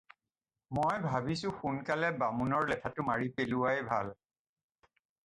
মই ভাবিছোঁ সোনকালে বামুণৰ লেঠাটো মাৰি পেলোৱাই ভাল।